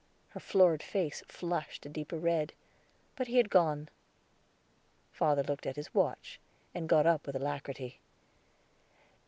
Her florid face flushed a deeper red, but he had gone. Father looked at his watch, and got up with alacrity.